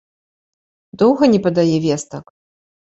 Доўга не падае вестак?